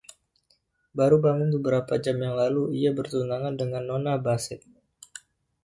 Baru beberapa jam yang lalu ia bertunangan dengan Nona Bassett.